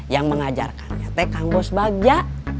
yang mengajarkan katanya kang bos bagja